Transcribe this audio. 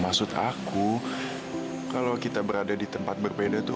maksud aku kalau kita berada di tempat berbeda itu